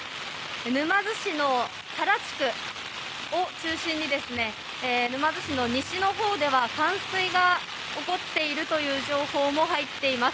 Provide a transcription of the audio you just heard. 沼津市を中心に沼津市の西のほうでは冠水が起こっているという情報も入っています。